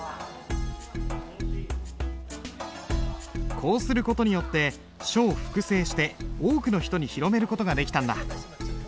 こうする事によって書を複製して多くの人に広める事ができたんだ。